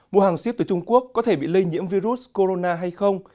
mua hàng xếp từ trung quốc có thể bị lây nhiễm virus corona hay không